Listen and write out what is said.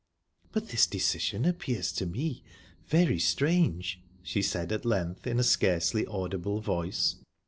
"But this decision appears to me very strange," she said at length, in a scarcely audible voice.